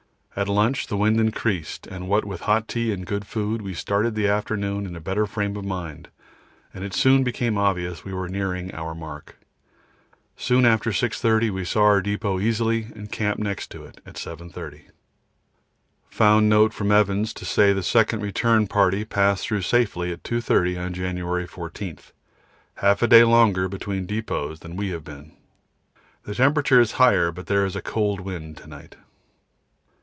At lunch the wind increased, and what with hot tea and good food, we started the afternoon in a better frame of mind, and it soon became obvious we were nearing our mark. Soon after 6.30 we saw our depot easily and camped next it at 7.30. Found note from Evans to say the second return party passed through safely at 2.30 on January 14 half a day longer between depots than we have been. The temperature is higher, but there is a cold wind to night.